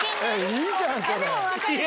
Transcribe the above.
いいじゃんそれ。